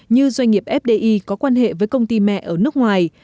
như doanh nghiệp fdi có quan hệ với công ty mẹ ở nước ngoài